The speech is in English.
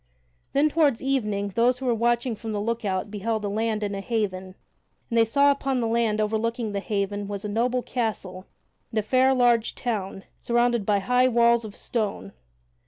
Then toward evening those who were watching from the lookout beheld a land and a haven, and they saw upon the land overlooking the haven was a noble castle and a fair large town, surrounded by high walls of stone.